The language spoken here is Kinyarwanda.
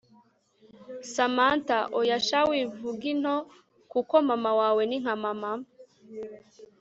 Samantha oya sha wivug into kuko mama wawe ni nka mama